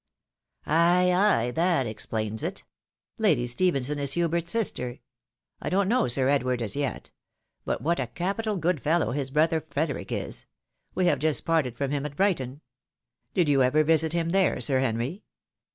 "Ay, ay, that explains it — Lady Stephenson is Hubert's sister. I don't know Sir Edward as yet ; but what a capital good fellow his brother Erederic is ! We have just parted from him at Brighton. Did you ever visit him there. Sir Henry?